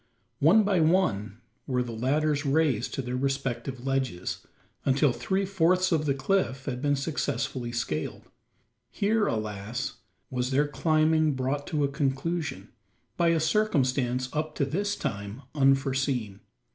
One by one were the ladders raised to their respective ledges until three fourths of the cliff had been successfully scaled. Here, alas! was their climbing brought to a conclusion, by a circumstance up to this time unforeseen.